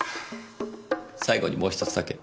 最後にもう１つだけ。